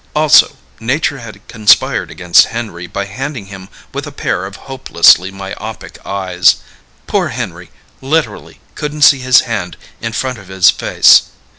Also, nature had conspired against Henry by handing him with a pair of hopelessly myopic eyes. Poor Henry literally couldn't see his hand in front of his face.